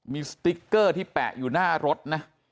มีสติ๊กเกอร์ที่แปะอยู่หน้ารถนะ